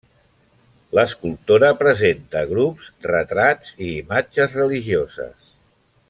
L'escultora presenta grups, retrats i imatges religioses.